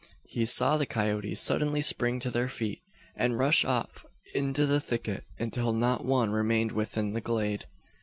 He saw the coyotes suddenly spring to their feet, and rush off into the thicket, until not one remained within the glade.